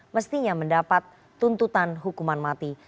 mestinya mendapat tuntutan hukuman mati